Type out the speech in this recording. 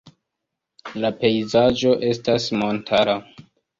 La pejzaĝo estas montara.